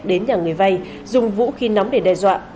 đến nhà người vay dùng vũ khí nóng để đe dọa